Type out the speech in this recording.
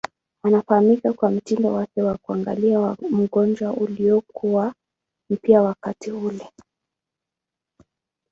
Anafahamika kwa mtindo wake wa kuangalia magonjwa uliokuwa mpya wakati ule.